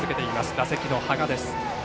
打席の垪和です。